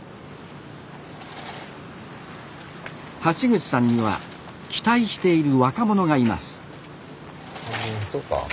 橋口さんには期待している若者がいます。